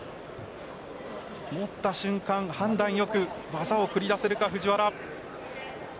持った瞬間判断よく技を繰り出せるか藤原。